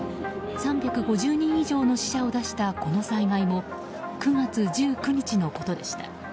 ３５０人以上の死者を出したこの災害も９月１９日のことでした。